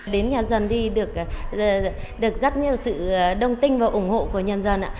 đến nhà dân thì được rất nhiều sự đồng tinh và ủng hộ của nhà dân